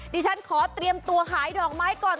ดิฉันขอเตรียมตัวขายดอกไม้ก่อน